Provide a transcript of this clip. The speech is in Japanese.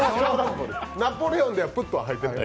ナポレオンではプッとは入ってない。